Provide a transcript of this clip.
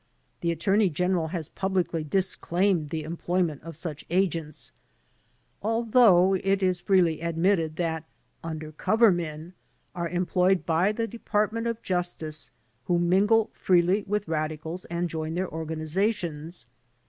The Attorney General has publicly disclaimed the employment of such agents, although it is freely admitted that "under cover men" are employed by the Department of Justice who mingle freely with radicals and join their organizations.